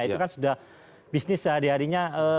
itu kan sudah bisnis sehari harinya